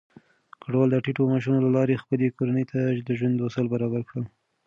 کډوال د ټيټو معاشونو له لارې خپلې کورنۍ ته د ژوند وسايل برابر کړي.